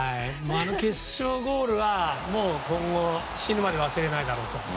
あの決勝ゴールは今後死ぬまで忘れないだろうと。